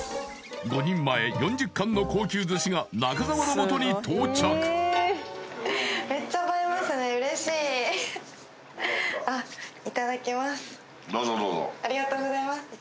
５人前４０貫の高級寿司が中澤のもとに到着いただきます